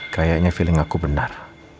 kayaknya feeling aku benar